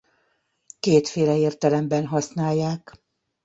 Kétféle értelemben használják.